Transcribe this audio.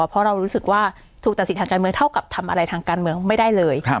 เพราะเรารู้สึกว่าถูกตัดสินทางการเมืองเท่ากับทำอะไรทางการเมืองไม่ได้เลย